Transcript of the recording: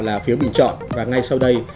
là phiếu bình chọn và ngay sau đây